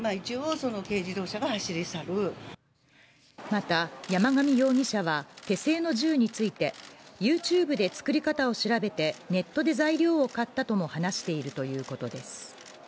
また、山上容疑者は、手製の銃についてＹｏｕＴｕｂｅで作り方を調べてネットで材料を買ったとも話しているということです。